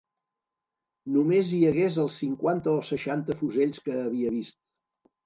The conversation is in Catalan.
...només hi hagués els cinquanta o seixanta fusells que havia vist